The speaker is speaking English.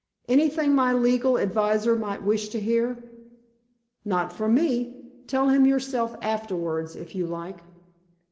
"Anything my legal adviser might wish to hear?" "Not from me. Tell him yourself afterwards, if you like."